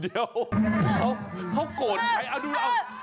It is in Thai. เดี๋ยวเขาโกรธใครเอาดูเอา